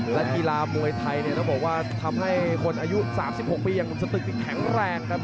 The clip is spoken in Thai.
และกีฬามวยไทยเนี่ยต้องบอกว่าทำให้คนอายุ๓๖ปีอย่างสตึกที่แข็งแรงครับ